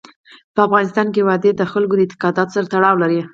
په افغانستان کې وادي د خلکو د اعتقاداتو سره تړاو لري.